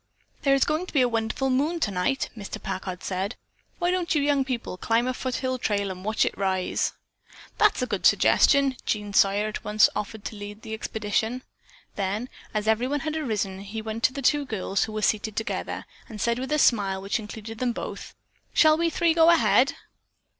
"There is going to be a wonderful moon tonight," Mr. Packard said, "Why don't you young people climb the foothill trail and watch it rise?" "That's a good suggestion!" Jean Sawyer at once offered to lead the expedition. Then, as everyone had arisen, he went to the two girls, who were seated together, and said with a smile which included them both, "Shall we three go ahead?"